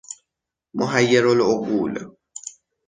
محیر العقول